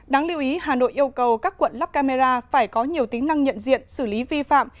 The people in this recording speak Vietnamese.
đáng lưu ý hà nội yêu cầu các quận lắp camera phải có nhiều tính năng nhận diện xử lý vi phạm